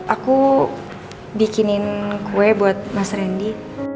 aku bikinin kue buat mas randy